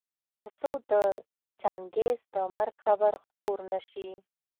تر څو د چنګېز د مرګ خبر خپور نه شي.